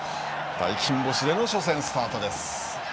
大金星での初戦スタートです。